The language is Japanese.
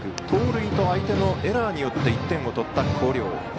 盗塁と相手のエラーによって１点を取った広陵。